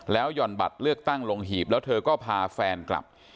หย่อนบัตรเลือกตั้งลงหีบแล้วเธอก็พาแฟนกลับ